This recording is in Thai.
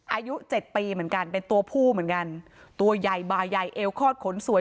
อายุเจ็ดปีเหมือนกันเป็นตัวผู้เหมือนกันตัวใหญ่บ่าใหญ่เอวคลอดขนสวย